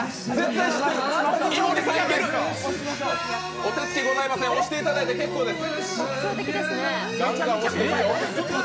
お手つきございません、押していただいて結構です。